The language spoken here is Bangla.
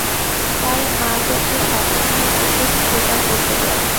তাই, মা তোকে সাথে নিয়ে ওষুধ জোগাড় করতে যায়।